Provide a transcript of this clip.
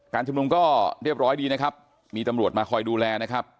ชุมนุมก็เรียบร้อยดีนะครับมีตำรวจมาคอยดูแลนะครับ